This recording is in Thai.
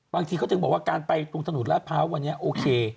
บางทีเขาถึงบอกว่าการไปตรงถนนราชพร้าววันนี้โอเค